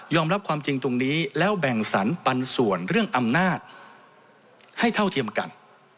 รับความจริงตรงนี้แล้วแบ่งสรรปันส่วนเรื่องอำนาจให้เท่าเทียมกัน